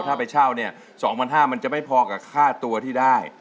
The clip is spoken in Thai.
ถ้าไปเช่าเนี่ย๒๕๐๐บาทมันจะไม่พอกับค่าตัวที่ได้